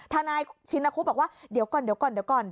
นายชินคุบอกว่าเดี๋ยวก่อนเดี๋ยวก่อนเดี๋ยวก่อน